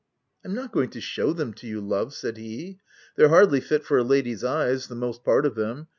" I'm not going to shew them to you, love," said he. " They're hardly fit for a lady's eyes —the most part of them.